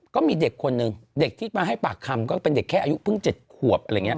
ก็มีเด็กคนหนึ่งเด็กที่มาให้ปากคำก็เป็นเด็กแค่อายุเพิ่ง๗ขวบอะไรอย่างนี้